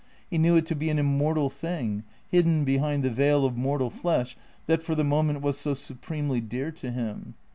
He knew it to be an immor tal thing, hidden behind the veil of mortal flesh that for the moment was so supremely dear to him.